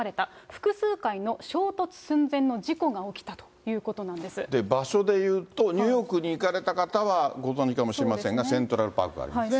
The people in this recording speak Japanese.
複数回の衝突寸前の事故が起きた場所でいうと、ニューヨークに行かれた方はご存じかもしれませんが、セントラルパークありますね。